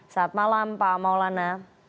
selamat malam pak maulana